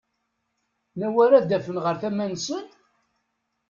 Nawa ara d-afen ɣer tama-nsen?